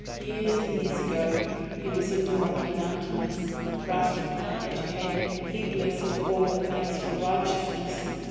Years and years ago he was in the Rocky Mountains, rough, uneducated, heedless of all that makes for righteousness.